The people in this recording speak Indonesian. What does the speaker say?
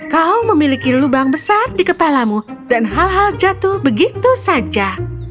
kau memiliki lubang besar di kepalamu dan hal hal jatuh begitu saja